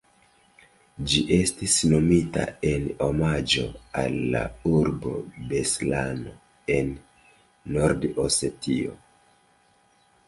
Ĝi estis nomita en omaĝo al la urbo Beslano en Nord-Osetio.